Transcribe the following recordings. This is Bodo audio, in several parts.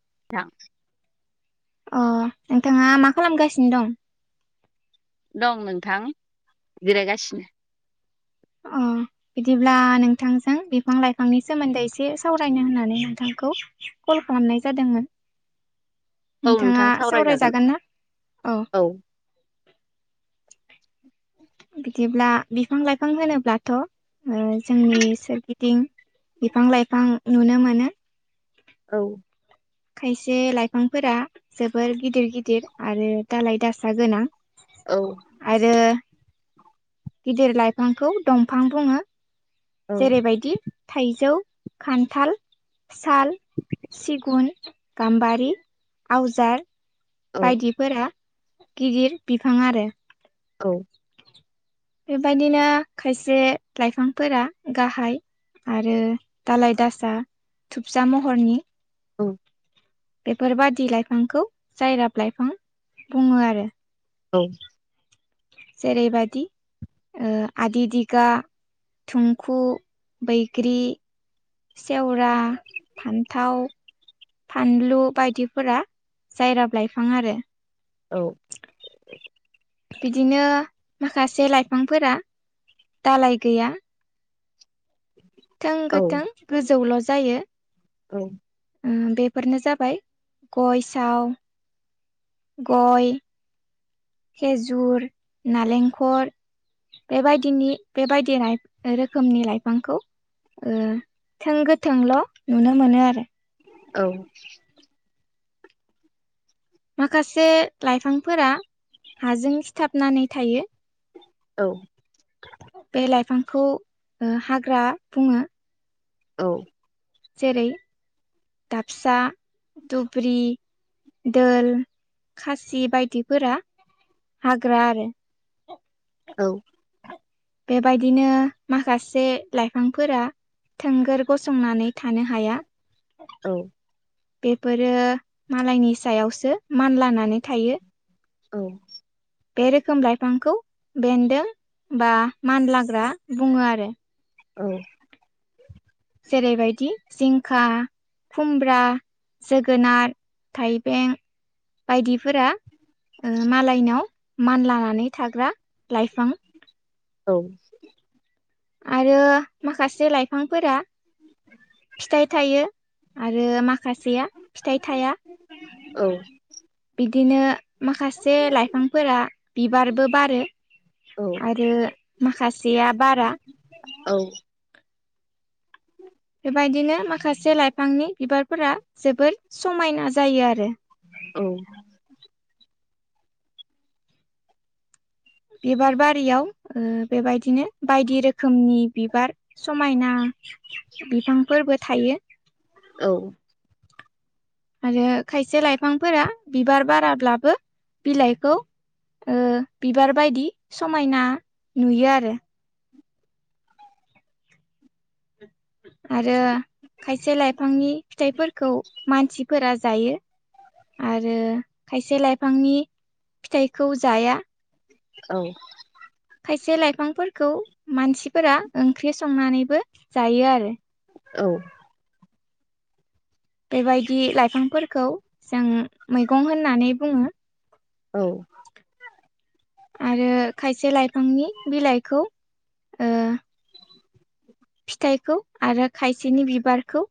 [inaudible] अ नोंथाङा मा खालामगासिनो दं? दं नोंथां जिरायगासिनो। अ बिदिब्ला नोंथांजों बिफां लाइफांनि सोमोन्दै एसे सावरायनो होननानै नोंथांखौ हरनाय जादोंमोन। औ नोंथां नोंथाङा सावरायजागोन सावरायजागोनना औ बिदिब्ला बिफां लाइफां होनोब्लाथ' जोंनि सोरगिदिं बिफां लाइफां नुनो मोनो। औ खायसे लाइफांफोरा जोबोर गिदिर गिदिर आरो दालाय दासा गोनां औ आरो गिदिर लाइफांखौ दंफां दङ औ जेरैबायदि थाइजौ खान्थाल साल सिगुन गाम्बारि आवजार औ बायदिफोरा गिदिर फिफां आरो औ बेबायदिनो खायसे लाइफांफोरा गाहाय आरो दाालाइ दासा थुबजा महरनि औ बेफोरबादि लाइफांखौ जायराब लाइफां बुङो आरो औ जेरै बादि आदि दिगा थुंखु बैग्रि सेवरा फानथाव फानलु बायदिफोरा जायराब लाइफां आरो औ बिदिनो माखासे लाइफांफोरा दालाय गैया थों गोथों गोजौल' जायो ओम बेफोरनो जाबाय गय साव गय खेजुर नालेंखर बेबायदिनि बेबायदि रोखोमनि लाइफांखौ थों गोथोंल' नुनो मोनो आरो औ माखासे लाइफांफोरा हाजों सिथाबनानै थायो। औ बे लाइफांखौ हाग्रा बुङो औ जेरै दाबसा दुब्रि दोल खासि बायदिफोरा हाग्रा आरो औ बेबायदिनो माखासे लाइफांफोरा थोंगोर गसंनानै थानो हाया औ बेफोरो मालायनि सायावसो मानलानानै थायो। औ बे रोखोम लाइफांखौ बेन्दों बा मानलाग्रा बुङो आरो औ जेरैबायदि जिंखा खुमब्रा जोगोनार थाइबें बायदिफोरा मालायनाव मानलानानै थाग्रा लाइफां औ आरो माखासे लाइफांफोरा फिथाइ थायो आरो मा माखासेया फिथाइ थाया औ बिदिनो माखासे लाइफांफोरा बिबारबो बारो आरो माखासेया बारा औ औ [inaudible] बेबायदिनो माखासे लाइफांनि बिबारफोरा जोबोर समायना जायो आरो औ बिबार बारियाव बेबायदिनो बायदि रोखोमनि बिबार समायना बिफांफोरबो थायो औ आरो खायसे लाइफांफोरा बिबार बाराब्लाबो बिलाइखौ बिबार बायदि समायना नुयो आरो आरो खायसे लाइफांनि फिथाइफोरखौ मानसिफोरा जायो। आरो खायसे लाइफांनि फिथाइखौ जाया औ खायसे लाइफांफोरखौ मानसिफोरा ओंख्रि संनानैबो जायो आरो औ बेबायदि लाइफांफोरखौ जों मैगं होननानै बुङो औ आरो खायसे लाइफांनि बिलाइखौ ओ फिथाइखौ आरो खायसेनि बिबारखौ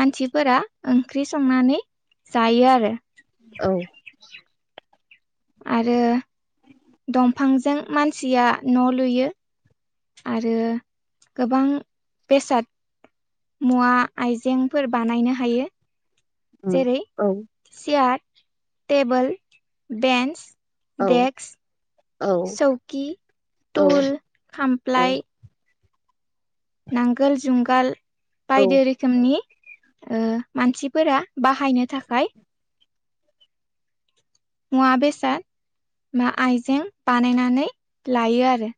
मानसिफोरा ओंख्रि संनानै जायो आरो औ आरो दंफांजों मानसिया न' लुयो आरो गोबां बेसाद मुवा आइजेंफोर बानायनो हायो जेरै सियार टेबोल बेन्स डेक्स सौकि तुल खामफ्लाय नांगोल जुंगाल बायदि रोखोमनि मानसिफोरा बाहायनो थाखाय मुवा बेसाद बा आइजें बानायनानै लायो आरो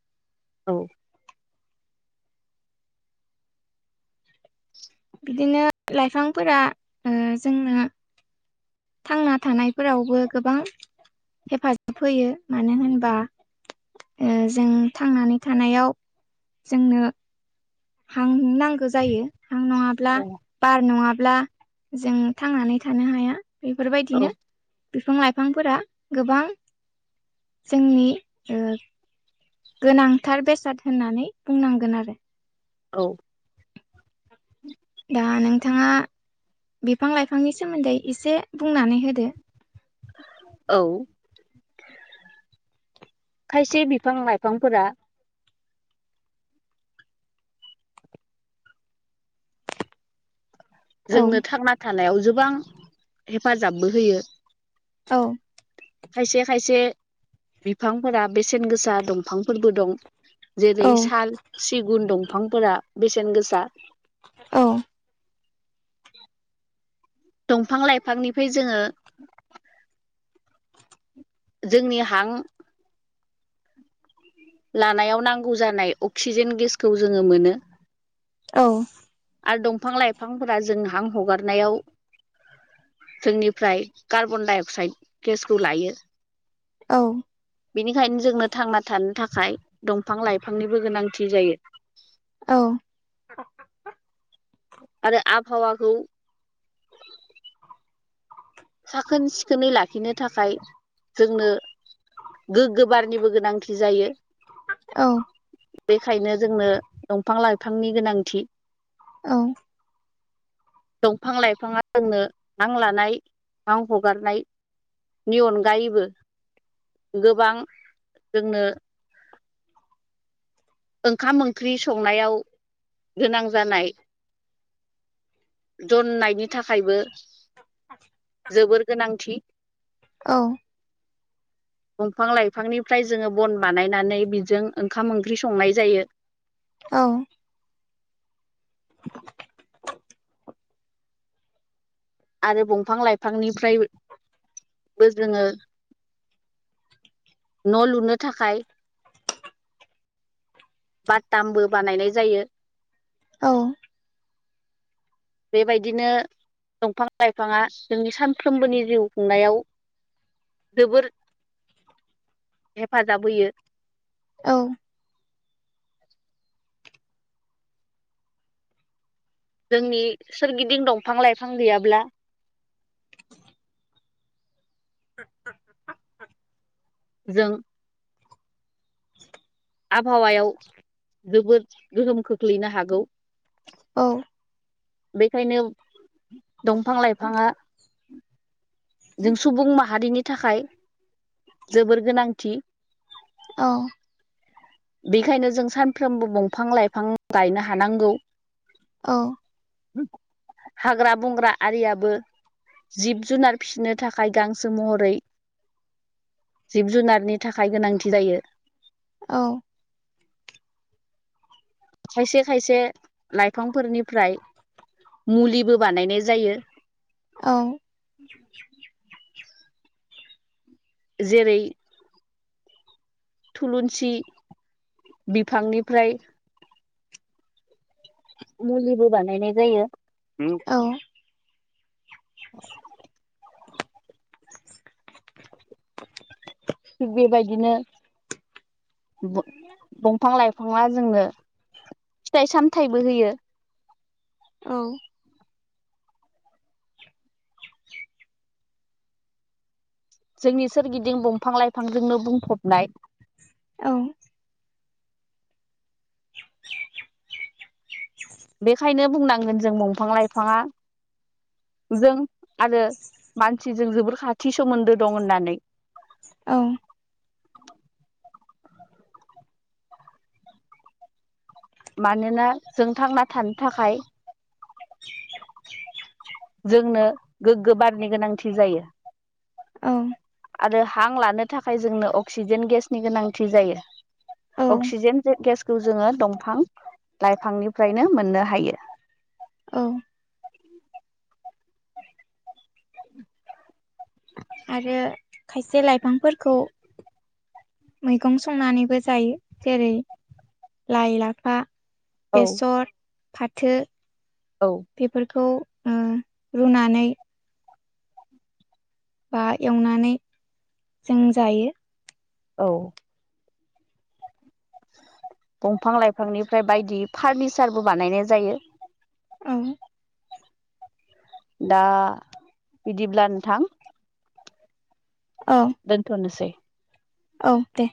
औ बिदिनो लाइफांफोरा जोंनो थांना थानायफोरावबो गोबां हेफाजाब होयो मानो होनबा जों थांनानै थानायाव जोंनो हां नांगौ जायो हां नङाब्ला बार नङाब्ला ब्ला जों थांनानै थानो हाया औ बेफोरबायदिनो बिफां लाइफांफोरा गोबां जोंनि गोनांथार बेसाद होननानै बुंनांगोन आरो औ दा नोंथाङा बिफां लाइफांनि सोमोन्दै एसे बुंनानै होदो औ खायसे बिफां लाइफांफोरा औ जोंनो थांना थानायाव गोबां हेफाजाबबो होयो औ खायसे खायसे बिफांफोरा बेसेन गोसा दंफांफोरबो दं जेरै औ साल सिगुन दंफांफोरा बेसेन गोसा दंफां लाइफांनिफ्राय जोङो जोंनि हां लानायाव नांगौ जानाय अक्सिजेन गेसखौ जोङो मोनो औ आरो दंफां लाइफांफोरा जों हां हगारनायाव जोंनिफ्राय कार्बनडाइ अक्साइड गेसखौ लायो औ बिनिखायनो जोंनो थांना थानो थाखाय थाखाय दंफां लाइफांनिबो गोनांथि जायो औ आरो आबहावाखौ साखोन सिखोनै लाखिनो थाखाय जोंनो गोग्गो बारनिबो गोनांथि जायो औ बेखायनो जोंनो दंफां लाइफांनि गोनांथि औ दंफां लाइफाङा जोंनो हां लानाय आं हगारनायनि अनगायैबो गोबां जोंनो ओंखाम ओंख्रि संनायाव गोनां जानाय जननायनि थाखायबो जोबोर गोनांथि औ दंफां लाइफांनिफ्राय जोङो बन बानायनानै बिजों ओंखाम ओंख्रि सं नाय जायो औ आरो बंफां लाइफांनिफ्रायबो जोङो न' लुनो थाखाय बाटामबो बानायनाय जायो औ औ बेबायदिनो दंफां लाइफाङा जोंनि सानफ्रोमबोनि जिउ खुंनायाव जोबोर हेफाजाब होयो औ जोंनि सोरगिदिं दंफां लाइफां गैयाब्ला जों आबहावायाव जोबोद गोहोम खोख्लैनो हागौ औ बेखायनो दंफां लाइफाङा जों सुबुं माहारिनि थाखाय जोबोर गोनांथि औ बिखायनो जों सानफ्रोमबो बंफां लाइफां गायनो हानांगौ औ हाग्रा बंग्रा आरियाबो जिब जुनार फिसिनो थाखाय गांसो महरै जिब जुनारनि थाखाय गोनांथि जायो औ खायसे खायसे लाइफांफोरनिफ्राय मुलिबो बानायनाय जायो जेरै थुलुनसि बिफांनिफ्राय मुलिबो बानायनाय जायो [inaudible] थिग बेबायदिनो बं-बंफां लाइफाङा जोंनो फिथाइ सामथाइबो होयो जोंनि सोरगिदिं बंफां लाइफांजोंनो बुंफबनाय बेखायनो बुंनांगोन जों बंफां लाइफाङा जों आरो मानसिजों जोबोर खाथि सोमोन्दो दं होननानै औ मानोना जों थांना थानो थाखाय जोंनो गोग्गो बारनि गोनांथि जायो औ आरो हां लानो थाखाय जोंनो अक्सिजेन गेसनि गोनांथि जायो औ अक्सिजेन गेसखौ जोङो दंफां लाइफांनिफ्रायनो मोननो हायो औ आरो खायसे लाइफांफोरखौ मैगं संनानैबो जायो जेरै लाइ लाफा औ बेसर फाथो औ बेफोरखौ उम रुनानै बा एवनानै जों जायो। औ दंफां लाइफांनिफ्राय बायदि फारनिचारबो बानायनाय जायो। उम दा बिदिब्ला नोंथां औ दोनथ'नोसै औ दे